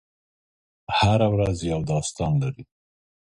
هره ورځ یو داستان لري.